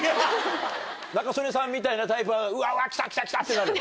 仲宗根さんみたいなタイプはうわっ来た来たってなる？